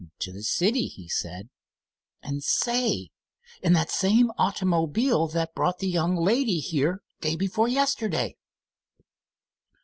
"To the city he said, and say, in that same automobile that brought the young lady here day before yesterday."